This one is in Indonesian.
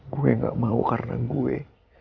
gue gak mau karena gue